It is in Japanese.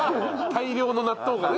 大量の納豆がね。